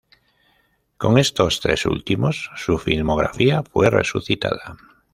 Con estos tres últimos, su filmografía fue resucitada.